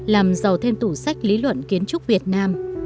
làm giàu thêm tủ sách lý luận kiến trúc việt nam